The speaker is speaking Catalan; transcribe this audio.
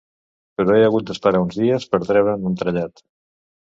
Però he hagut d'esperar uns dies per treure'n l'entrellat.